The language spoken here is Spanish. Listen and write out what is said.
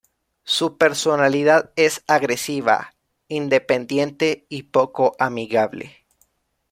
Su personalidad es agresiva, independiente y poco amigable.